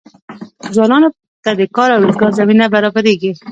ځوانانو ته د کار او روزګار زمینه برابریږي.